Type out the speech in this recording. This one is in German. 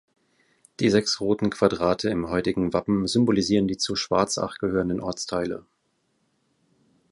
Die sechs roten Quadrate im heutigen Wappen symbolisieren die zu Schwarzach gehörenden Ortsteile.